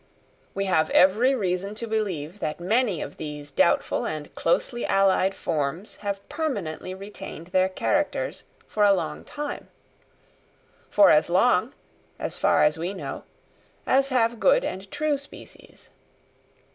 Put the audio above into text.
We have every reason to believe that many of these doubtful and closely allied forms have permanently retained their characters for a long time; for as long, as far as we know, as have good and true species.